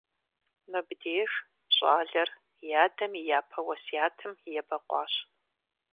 Мыбдеж щӀалэр и адэм и япэ уэсятым ебэкъуащ.